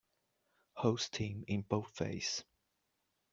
Host team in boldface.